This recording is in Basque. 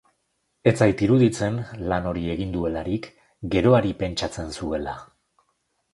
Ez zait iduritzen, lan hori egin duelarik, geroari pentsatzen zuela.